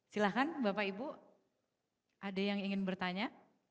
silahkan bapak ibu ada yang ingin bertanya